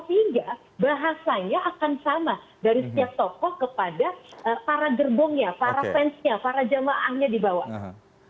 sehingga bahasanya akan sama dari setiap tokoh kepada para gerbongnya para fansnya para jamaahnya di bawah